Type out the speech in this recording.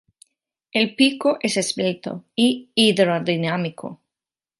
El pico es esbelto y hidrodinámico.